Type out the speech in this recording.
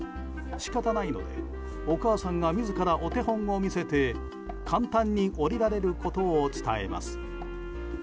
仕方ないのでお母さんが自らお手本を見せて簡単に下りられることを伝えます。